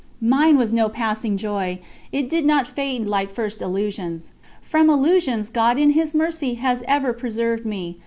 Mine was no passing joy, it did not fade like first illusions. From illusions God in His Mercy has ever preserved me.